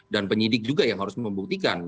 dan penyidik juga yang harus membuktikan